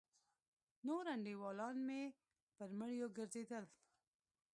نور انډيوالان مې پر مړيو گرځېدل.